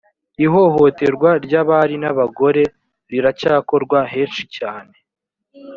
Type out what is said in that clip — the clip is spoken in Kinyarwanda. ihohoterwa ry’abari n’abagore riracyakorwa henshi cyane